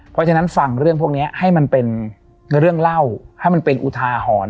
เพราะฉะนั้นฟังเรื่องพวกนี้ให้มันเป็นเรื่องเล่าให้มันเป็นอุทาหรณ์